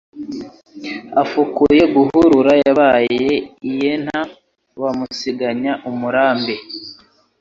Afukuye Gahurura yabaye iyeNta wamusiganya umurambi